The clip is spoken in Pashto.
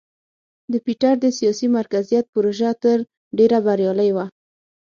د پیټر د سیاسي مرکزیت پروژه تر ډېره بریالۍ وه.